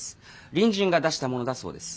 隣人が出したものだそうです。